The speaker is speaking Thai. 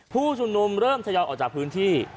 ผู้ชุมนุมเริ่มทยอยออกจากพื้นที่